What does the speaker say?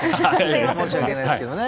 申し訳ないですけどね。